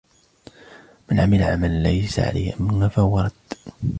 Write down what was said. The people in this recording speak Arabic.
مَنْ عَمِلَ عَمَلاً لَيْسَ عَلَيهِ أَمْرُنا فَهُوَ رَدٌّ